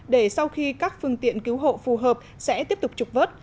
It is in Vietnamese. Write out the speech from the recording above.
để sau khi các phương tiện cứu hộ phù hợp sẽ tiếp tục trục vớt